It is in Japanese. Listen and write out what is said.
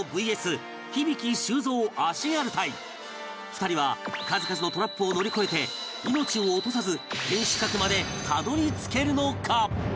２人は数々のトラップを乗り越えて命を落とさず天守閣までたどり着けるのか？